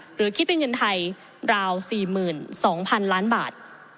หรือคิดเป็นเงินไทยราว๔๒๐๐๐ล้านบาท